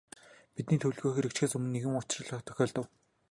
Бидний төлөвлөгөө хэрэгжихээс өмнө нэгэн учрал тохиолдов.